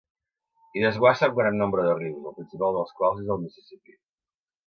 Hi desguassa un gran nombre de rius, el principal dels quals és el Mississipí.